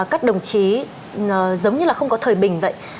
các đồng chí giống như là không có thời bình vậy